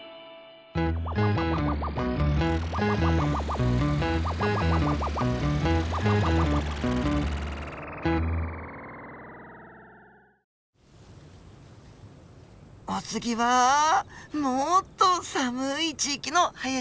お次はもっと寒い地域の林です。